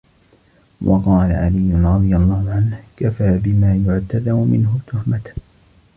وَقَالَ عَلِيٌّ رَضِيَ اللَّهُ عَنْهُ كَفَى بِمَا يُعْتَذَرُ مِنْهُ تُهْمَةً